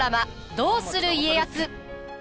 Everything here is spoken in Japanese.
「どうする家康」。